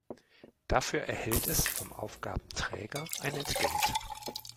Dafür erhält es vom Aufgabenträger ein Entgelt.